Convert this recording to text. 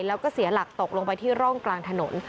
แล้วก็เสียหลักตกลงไปที่ร่องกลางถนน